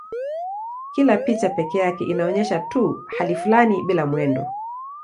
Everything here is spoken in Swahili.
Kila picha pekee yake inaonyesha tu hali fulani bila mwendo.